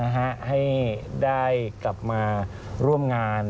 ให้ได้กลับมาร่วมงาน